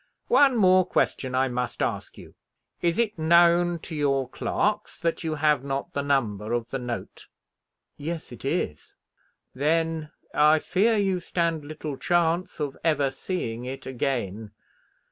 One more question I must ask you. Is it known to your clerks that you have not the number of the note?" "Yes, it is." "Then I fear you stand little chance of ever seeing it again.